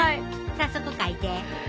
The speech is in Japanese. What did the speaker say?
早速描いて！